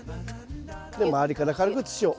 で周りから軽く土を。